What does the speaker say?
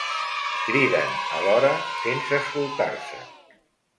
Criden alhora, sense escoltar-se.